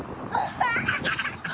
ハハハハ！